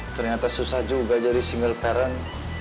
ternyata susah juga jadi single parent